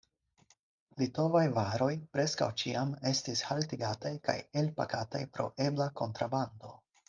Litovaj varoj preskaŭ ĉiam estis haltigataj kaj elpakataj pro ebla kontrabando.